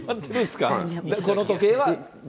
この時計は誰。